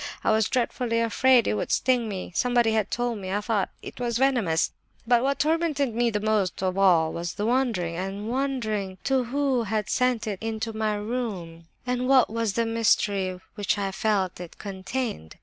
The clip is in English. I was dreadfully afraid it would sting me; somebody had told me, I thought, that it was venomous; but what tormented me most of all was the wondering and wondering as to who had sent it into my room, and what was the mystery which I felt it contained.